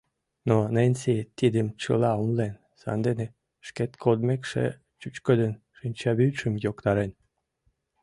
Но Ненси тидым чыла умылен, сандене, шкет кодмекше, чӱчкыдын шинчавӱдшым йоктарен.